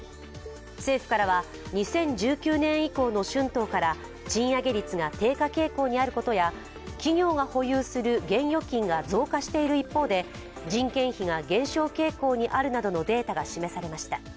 政府からは２０１９年以降の春闘から賃上げ率が低下傾向にあることや企業が保有する現預金が増加している一方で人件費が減少傾向にあるなどのデータが示されました。